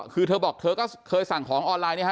คือเธอบอกเธอก็เคยสั่งของออนไลน์เนี่ยฮ